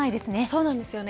そうなんですよね